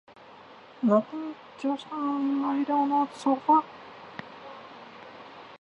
Menshikov assigned overall construction management to Ivan Zarudny.